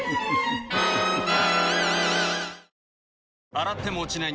洗っても落ちない